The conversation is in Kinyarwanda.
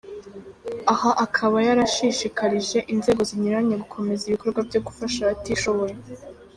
Aha akaba yarashishikarije inzego zinyuranye gukomeza ibikorwa byo gufasha abatishoboye.